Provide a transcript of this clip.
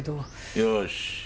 よし。